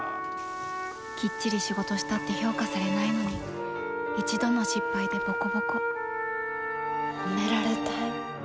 きっちり仕事したって評価されないのに一度の失敗でボコボコ褒められたい。